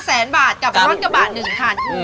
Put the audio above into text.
๕แสนบาทกับรถกระบาด๑ค่ะ